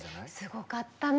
すごかったね。